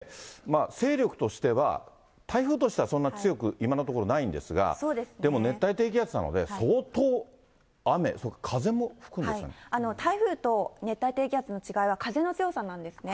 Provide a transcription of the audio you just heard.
中心気圧が１００６ヘクトパスカルなので、勢力としては、台風としてはそんなに強く、今のところないんですが、でも熱帯低気圧なので、相当雨、台風と熱帯低気圧の違いは風の強さなんですね。